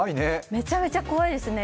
めちゃめちゃ怖いですね。